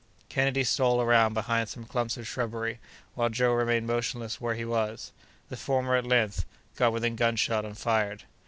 Kennedy stole around behind some clumps of shrubbery, while Joe remained motionless where he was. The former, at length, got within gunshot and fired.